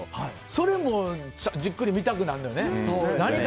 それもじっくり見たくなるのよね。